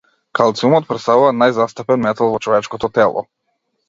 Калциумот претставува најзастапен метал во човечкото тело.